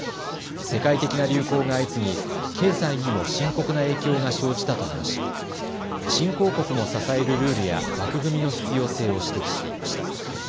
世界的な流行が相次ぎ経済にも深刻な影響が生じたと話し新興国も支えるルールや枠組みの必要性を指摘していました。